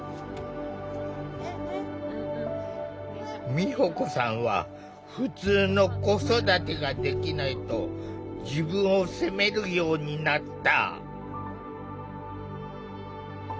美保子さんはふつうの子育てができないと自分を責めるようになった。